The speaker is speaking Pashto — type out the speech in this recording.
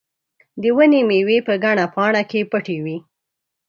د ونې مېوې په ګڼه پاڼه کې پټې وې.